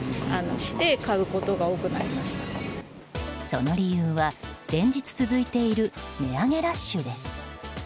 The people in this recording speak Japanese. その理由は、連日続いている値上げラッシュです。